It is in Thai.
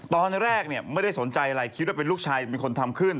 ตอนแรกไม่ได้สนใจอะไรคิดว่าเป็นลูกชายเป็นคนทำขึ้น